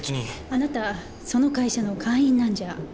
あなたその会社の会員なんじゃ？